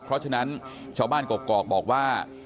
เพราะฉะนั้นชาวบ้านกกอกบอกว่า